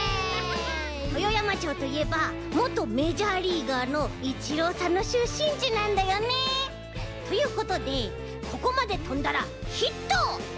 豊山町といえばもとメジャーリーガーのイチローさんのしゅっしんちなんだよね。ということでここまでとんだらヒット！